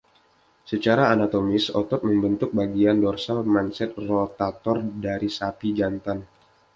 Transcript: Secara anatomis, otot membentuk bagian dorsal manset rotator dari sapi jantan.